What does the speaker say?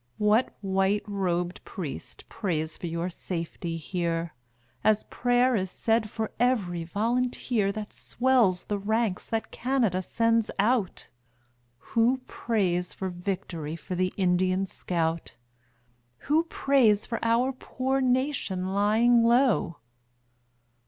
What white robed priest prays for your safety here, As prayer is said for every volunteer That swells the ranks that Canada sends out? Who prays for vict'ry for the Indian scout? Who prays for our poor nation lying low?